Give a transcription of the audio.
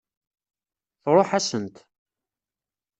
Tṛuḥ-asent.